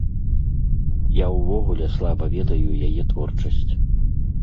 Я ўвогуле слаба ведаю яе творчасць.